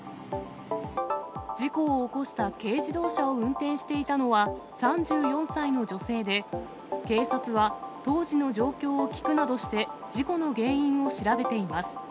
事故を起こした軽自動車を運転していたのは、３４歳の女性で、警察は当時の状況を聴くなどして、事故の原因を調べています。